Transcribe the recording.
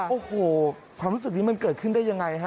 โอ้โหความรู้สึกนี้มันเกิดขึ้นได้ยังไงฮะ